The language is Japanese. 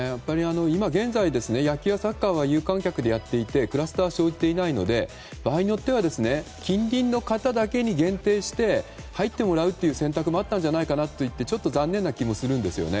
今現在野球、サッカーは有観客でやっていてクラスターは生じていないので場合によっては近隣の方だけに限定して入ってもらうという選択もあったんじゃないかなと言ってちょっと残念な気もするんですよね。